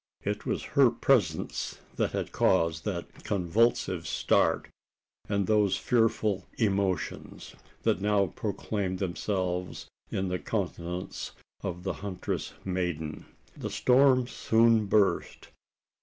It was her presence that had caused that convulsive start, and those fearful emotions, that now proclaimed themselves in the countenance of the huntress maiden. The storm soon burst.